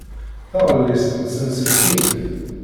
Taɣellist n tsenselkimt.